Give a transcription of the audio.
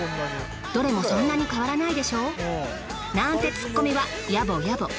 どれもそんなに変わらないでしょ？なんてツッコミは野暮野暮。